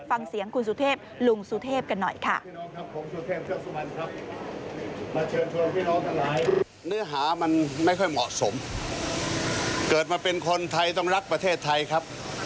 ฟังเสียงคุณสุเทพลุงสุเทพกันหน่อยค่ะ